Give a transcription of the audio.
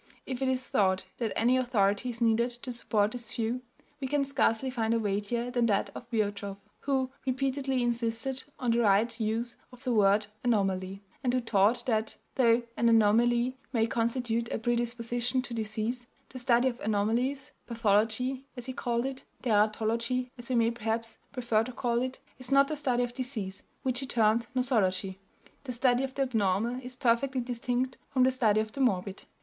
If it is thought that any authority is needed to support this view, we can scarcely find a weightier than that of Virchow, who repeatedly insisted on the right use of the word "anomaly," and who taught that, though an anomaly may constitute a predisposition to disease, the study of anomalies pathology, as he called it, teratology as we may perhaps prefer to call it is not the study of disease, which he termed nosology; the study of the abnormal is perfectly distinct from the study of the morbid.